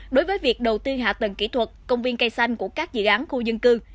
đối với việc đầu tư hạ tầng kỹ thuật công viên cây xanh của các dự án khu dân cư